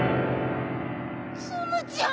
ツムちゃん